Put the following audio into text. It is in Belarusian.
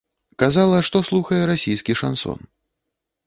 Казала, што слухае расійскі шансон.